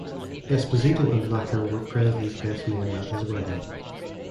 Esposito and Lacker were Presley's best men at his wedding.